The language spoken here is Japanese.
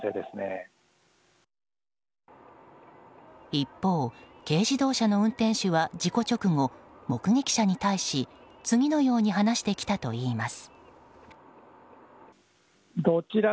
一方、軽自動車の運転手は事故直後目撃者に対し次のように話してきたといいます。